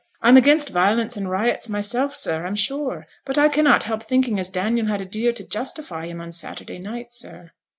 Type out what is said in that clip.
I'm against violence and riots myself, sir, I'm sure; but I cannot help thinking as Daniel had a deal to justify him on Saturday night, sir.'